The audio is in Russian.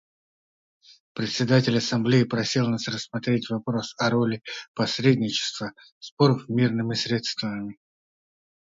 Председатель Ассамблеи просил нас рассмотреть вопрос о роли посредничества в урегулировании споров мирными средствами.